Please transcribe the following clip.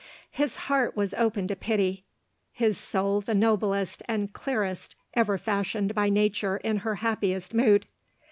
His heart was open to pity— his soid the noblest and clearest ever fashioned by nature in her happiest mood.